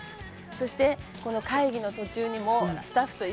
「そしてこの会議の途中にもスタッフと一緒に」